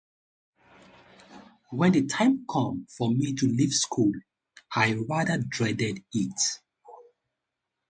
When the time came for me to leave school I rather dreaded it.